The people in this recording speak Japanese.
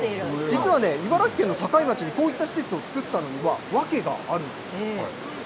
実はね、茨城県の境町に、こういった施設を作ったのには、訳があるんです。